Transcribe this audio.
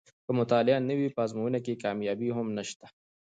که مطالعه نه وي په ازموینو کې کامیابي هم نشته.